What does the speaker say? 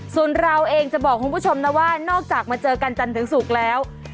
ส่วนเราเองจะบอกคุณผู้ชมนะว่านอกจากมาเจอกันจันทร์ถึงศุกร์แล้ว